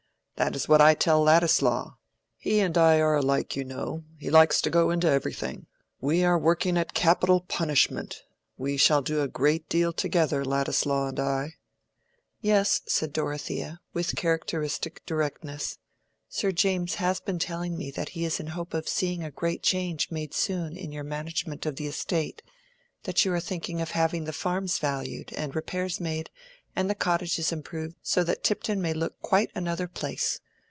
That is what I tell Ladislaw. He and I are alike, you know: he likes to go into everything. We are working at capital punishment. We shall do a great deal together, Ladislaw and I." "Yes," said Dorothea, with characteristic directness, "Sir James has been telling me that he is in hope of seeing a great change made soon in your management of the estate—that you are thinking of having the farms valued, and repairs made, and the cottages improved, so that Tipton may look quite another place.